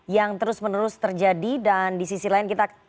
yang terus menerus terjadi dan di sisi lain kita